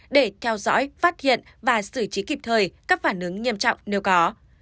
để theo dõi phát hiện và xử trí kịp thời các phản ứng nghiêm trọng nếu có